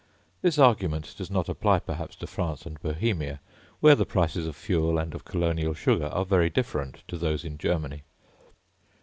This argument does not apply, perhaps, to France and Bohemia, where the prices of fuel and of colonial sugar are very different to those in Germany.